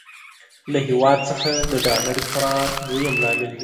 له هېواد څخه د ډالر فرار دويم لامل دی.